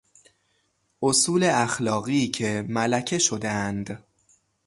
اصول اخلاقی که ملکه شدهاند